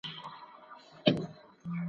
زما لحد پر کندهار کې را نصیب لیدل د یار کې `